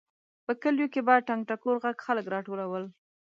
په کلیو کې به د ټنګ ټکور غږ خلک راټولول.